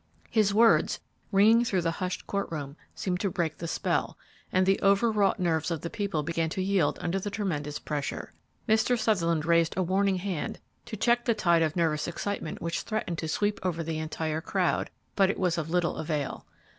His words, ringing through the hushed court room, seemed to break the spell, and the over wrought nerves of the people began to yield under the tremendous pressure. Mr. Sutherland raised a warning hand to check the tide of nervous excitement which threatened to sweep over the entire crowd, but it was of little avail.